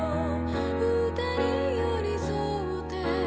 「２人寄り添って」